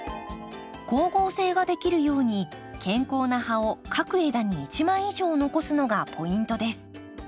光合成ができるように健康な葉を各枝に一枚以上残すのがポイントです。